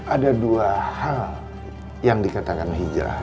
ada dua hal yang dikatakan hijrah